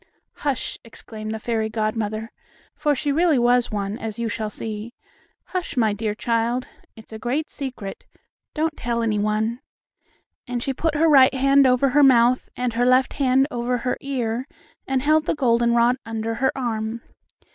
"Hush!" exclaimed the fairy godmother, for she really was one, as you shall see. "Hush, my dear child! It's a great secret. Don't tell any one," and she put her right hand over her mouth and her left hand over her ear, and held the goldenrod under her arm.